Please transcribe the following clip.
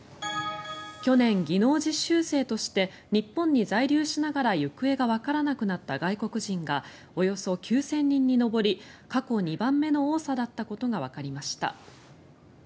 去年、技能実習生として日本に在留しながら行方がわからなくなった外国人がおよそ９０００人に上り過去２番目の多さだったことがわかりました。